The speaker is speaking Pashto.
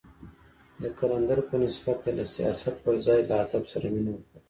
د قلندر په نسبت يې له سياست پر ځای له ادب سره مينه وپالله.